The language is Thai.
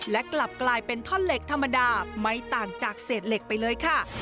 และกลับกลายเป็นท่อนเหล็กธรรมดาไม่ต่างจากเศษเหล็กไปเลยค่ะ